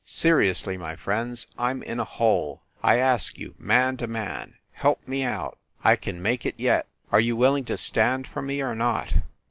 Seriously, my friends, I m in a hole. I ask you, man to man, help me out! I can make it yet. Are you willing to stand for me or not?